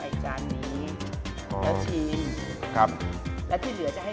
เพราะฉะนั้นถ้าใครอยากทานเปรี้ยวเหมือนโป้แตก